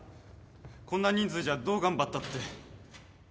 こんな人数じゃどう頑張ったって。